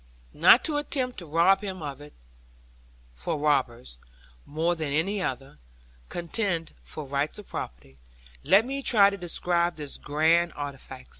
Not to attempt to rob him of it for robbers, more than any other, contend for rights of property let me try to describe this grand artifice.